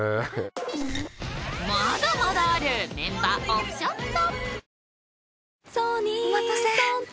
まだまだあるメンバーオフショット！